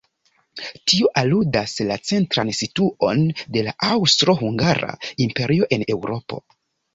Tio aludas la centran situon de la Aŭstro-Hungara imperio en Eŭropo.